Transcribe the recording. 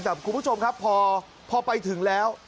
แต่คุณผู้ชมครับพอไปถึงแล้ว